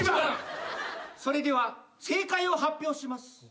それでは正解を発表します。